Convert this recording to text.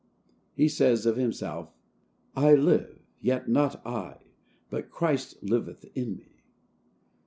He says of himself, "I live, yet not I, but Christ liveth in me."